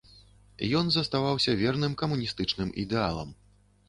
Ён заставаўся верным камуністычным ідэалам.